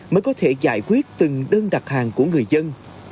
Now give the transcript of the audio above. mới có thể giải quyết từng đơn đặt hàng của người dân